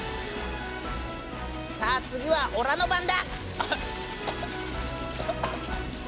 さあ次はオラの番だ！